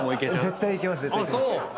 絶対いけます。